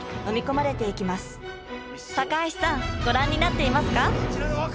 高橋さんご覧になっていますか？